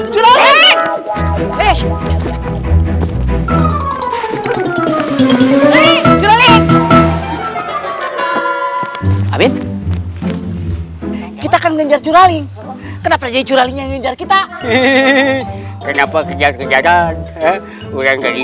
jangan lupa like share dan subscribe channel ini